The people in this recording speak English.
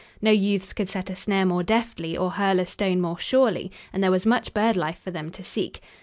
No youths could set a snare more deftly or hurl a stone more surely, and there was much bird life for them to seek.